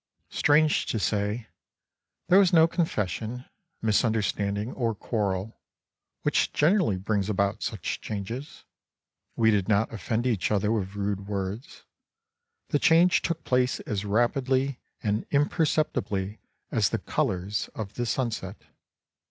Strange to say, there was no confession, misunderstand ing or quarrel which generally brings about such changes ; we did not offend each other with rude words. The change took place as rapidly and imperceptibly as the colors of the sunset.